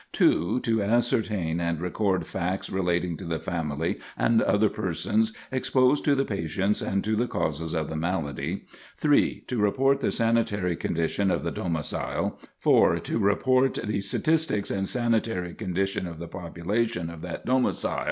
2. To ascertain and record facts relating to the family and other persons exposed to the patients and to the causes of the malady. 3. To report the sanitary condition of the domicil. 4. To report the statistics and sanitary condition of the population of that domicil.